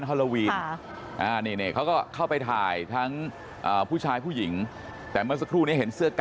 เฮียนอย่างนอกโรง